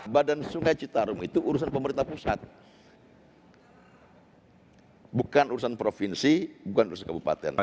badan sungai citarum itu urusan pemerintah pusat bukan urusan provinsi bukan urusan kabupaten